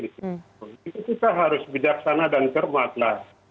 itu kita harus bijaksana dan cermatlah